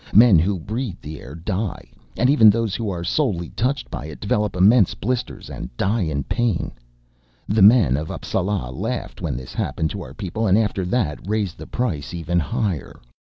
Men who breathe the air die, and even those who are solely touched by it develop immense blisters and die in pain. The man of Appsala laughed when this happened to our people and after that raised the price even higher."